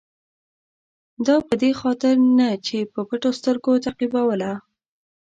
دا په دې خاطر نه چې په پټو سترګو تعقیبوله.